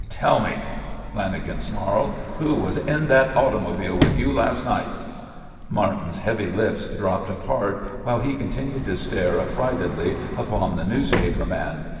"Tell me," Lanagan snarled, "who was in that automobile with you last night?" Martin's heavy lips dropped apart while he continued to stare affrightedly upon the newspaper man.